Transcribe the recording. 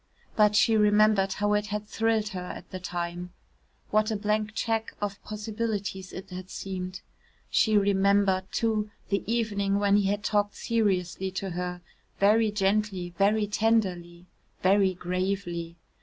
But she remembered how it had thrilled her at the time what a blank cheque of possibilities it had seemed. She remembered, too, the evening when he had talked seriously to her very gently, very tenderly, very gravely.